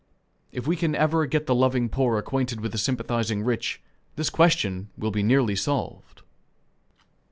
If we can ever get the loving poor acquainted with the sympathizing rich, this question will be nearly solved.